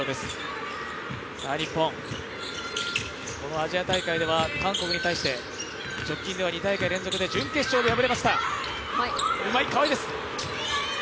アジア大会では韓国に対して直近では２大会連続で、準決勝で敗れました。